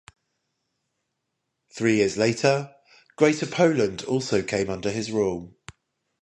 Three years later, Greater Poland also came under his rule.